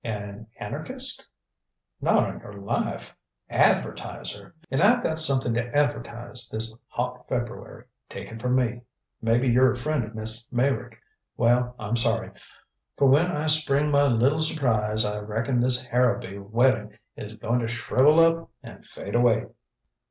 "An anarchist?" "Not on your life. Advertiser. And I've got something to advertise this hot February, take it from me. Maybe you're a friend of Miss Meyrick. Well, I'm sorry. For when I spring my little surprise I reckon this Harrowby wedding is going to shrivel up and fade away."